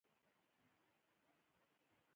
پوليس به درباندې شک وکي.